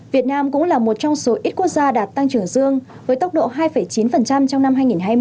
việt nam cũng là một trong số ít quốc gia đạt tăng trưởng dương với tốc độ hai chín trong năm hai nghìn hai mươi